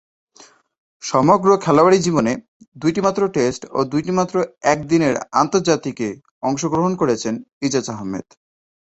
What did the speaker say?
সমগ্র খেলোয়াড়ী জীবনে দুইটিমাত্র টেস্ট ও দুইটিমাত্র একদিনের আন্তর্জাতিকে অংশগ্রহণ করেছেন ইজাজ আহমেদ।